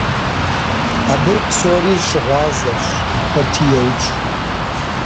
Абы псори щыгъуазэщ, хэти еупщӀ.